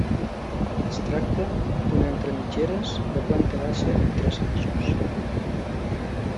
Es tracta d'un entre mitgeres de planta baixa i tres pisos.